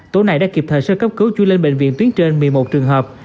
tối nay đã kịp thời sơ cấp cứu chui lên bệnh viện tuyến trên một mươi một trường hợp